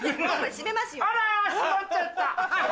閉まっちゃった。